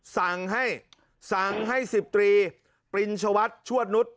สั่งให้สั่งให้๑๐ตรีปริญชวัฒน์ชวดนุษย